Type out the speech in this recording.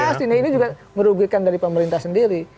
pasti nih ini juga merugikan dari pemerintah sendiri